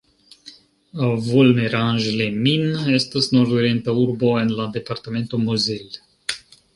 Volmerange-les-Mines estas nordorienta urbo en la departemento Moselle.